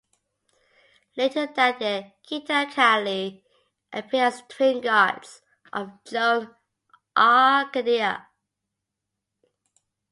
Later that year Keaton and Kylie appeared as twin Gods in "Joan of Arcadia".